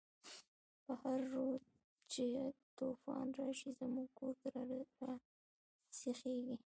په هر رود چی توفان راشی، زموږ کور ته راسيخيږی